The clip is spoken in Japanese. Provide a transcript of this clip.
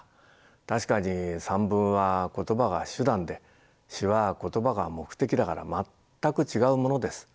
確かに散文は言葉が手段で詩は言葉が目的だから全く違うものです。